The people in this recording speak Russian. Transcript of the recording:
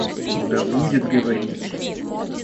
Да будет говорить!